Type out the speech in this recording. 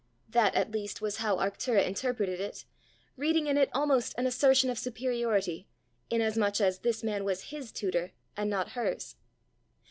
That at least was how Arctura interpreted it, reading in it almost an assertion of superiority, in as much as this man was his tutor and not hers.